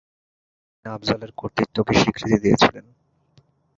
তিনি আফযালের কর্তৃত্বকে স্বীকৃতি দিয়েছিলেন।